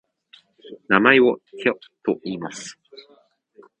名前をテョといいます。